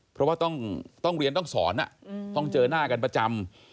เพราะว่าต้องเรียนต้องสอนต้องเจอหน้ากันประจำ